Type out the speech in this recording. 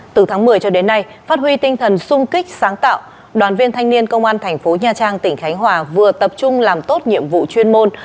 từ tháng một mươi cho đến nay phát huy tinh thần sung kích sáng tạo đoàn viên thanh niên công an thành phố nha trang tỉnh khánh hòa vừa tập trung làm tốt nhiệm vụ chuyên môn